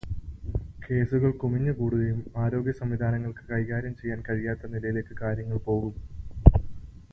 കേസുകൾ കുമിഞ്ഞു കൂടുകയും, ആരോഗ്യസംവിധാനങ്ങൾക്ക് കൈകാര്യം ചെയ്യാൻ കഴിയാത്ത നിലയിലേക്ക് കാര്യങ്ങൾ പോകും.